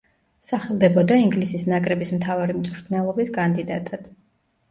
სახელდებოდა ინგლისის ნაკრების მთავარი მწვრთნელობის კანდიდატად.